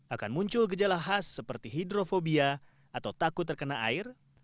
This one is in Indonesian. akan muncul gejala khas seperti hidrofobia atau takut terkena air